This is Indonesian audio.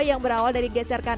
yang berawal dari geser kanan